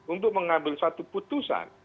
untuk mengambil suatu putusan